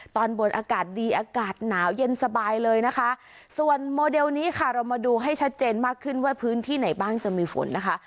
ตอนบนอากาศดีอากาศหนาวเย็นสบายเลยนะคะส่วนโมเดลนี้ค่ะเรามาดูให้ชัดเจนมากขึ้นว่าพื้นที่ไหนบ้างจะมีฝนนะคะ